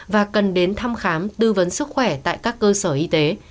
và cần đến thăm khám tư vấn sức khỏe tại các cơ sở y tế